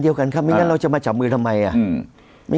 กันครับไม่งั้นเราจะมาจับมือทำไมอ่ะ